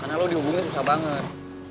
karena lu dihubungin susah banget